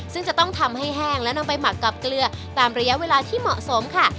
ซึ่งจะต้องทำให้แห้งและนำไปหมักกับเกลือตามระยะเวลาที่เหมาะสมค่ะ